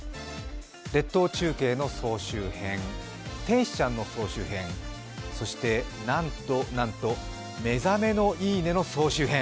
列島中継の総集編、天使ちゃんの総集編、そしてなんとなんと、「目覚めのいい音」の総集編。